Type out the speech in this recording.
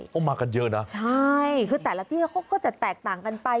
เขามากันเยอะนะใช่คือแต่ละที่เขาก็จะแตกต่างกันไป